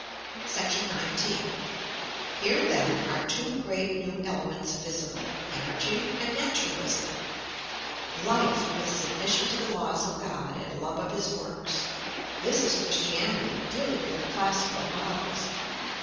§ XIX. Here, then, are two great new elements visible; energy and naturalism: Life, with submission to the laws of God, and love of his works; this is Christianity, dealing with her classical models.